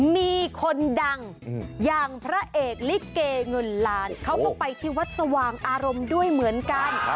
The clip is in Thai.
มีคนดังอย่างพระเอกลิเกเงินล้านเขาก็ไปที่วัดสว่างอารมณ์ด้วยเหมือนกัน